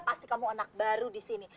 pasti kamu anak baru di sini